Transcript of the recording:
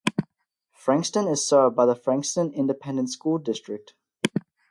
Frankston is served by the Frankston Independent School District.